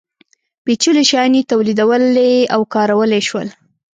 پېچلي شیان یې تولیدولی او کارولی شول.